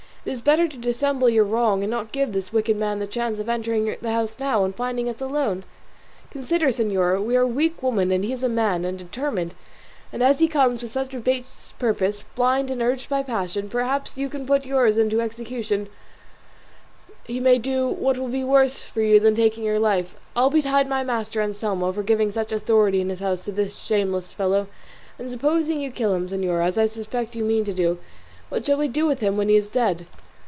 It is better to dissemble your wrong and not give this wicked man the chance of entering the house now and finding us alone; consider, señora, we are weak women and he is a man, and determined, and as he comes with such a base purpose, blind and urged by passion, perhaps before you can put yours into execution he may do what will be worse for you than taking your life. Ill betide my master, Anselmo, for giving such authority in his house to this shameless fellow! And supposing you kill him, señora, as I suspect you mean to do, what shall we do with him when he is dead?"